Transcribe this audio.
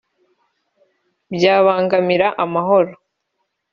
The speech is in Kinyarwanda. byabangamira amahoro